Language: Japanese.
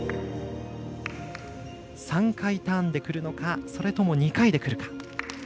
３回ターンでくるのかそれとも２回でくるか。